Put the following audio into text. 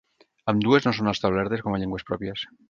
Ambdues no són establertes com a llengües pròpies.